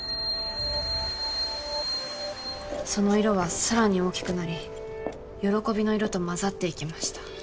その色はさらに大きくなり「喜び」の色と混ざっていきました。